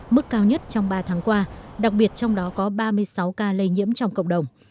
mức cao nhất trong ba tháng qua đặc biệt trong đó có ba mươi sáu ca lây nhiễm trong cộng đồng